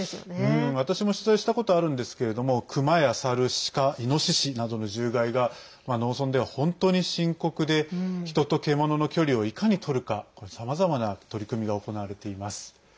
私も取材したことあるんですけれども熊や猿、鹿、いのししなどの獣害が、農村では本当に深刻で人と獣の距離をいかにとるかさまざまな取り組みが行われています。